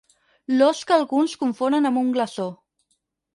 L'ós que alguns confonen amb un glaçó.